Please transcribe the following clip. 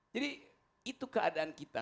jadi itu keadaan kita